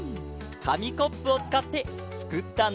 かみコップをつかってつくったんだ！